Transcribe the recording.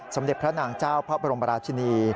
สมเด็จพระนางเจ้าพระบรมราชินี